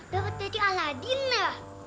dapet dari aladin ya